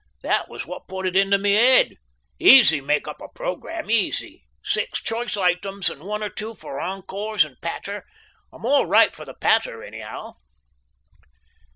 That was what put it into my 'ead. Easy make up a programme easy. Six choice items, and one or two for encores and patter. I'm all right for the patter anyhow."